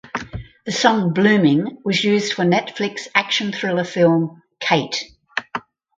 The song "Blooming" was used for Netflix action thriller film "Kate".